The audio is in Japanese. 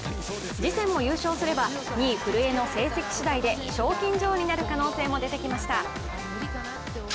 次戦も優勝すれば２位・古江の成績しだいで賞金女王になる可能性も出てきました。